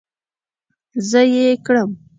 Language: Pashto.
زه ئې کرم